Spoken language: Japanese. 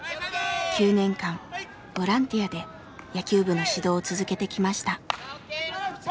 ９年間ボランティアで野球部の指導を続けてきました。